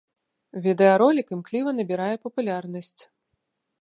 Відэаролік імкліва набірае папулярнасць.